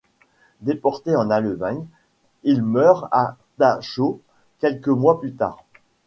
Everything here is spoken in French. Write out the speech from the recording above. Déporté en Allemagne, il meurt à Dachau quelques mois plus tard.